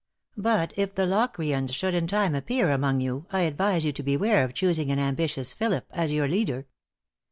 But if the Locrians should in time appear among you, I advise you to beware of choosing an ambitious Philip as your leader.